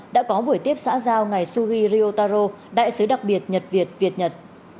đã có buổi tiếp xã giao ngày sugi ryotaro đại sứ đặc biệt nhật việt việt nhật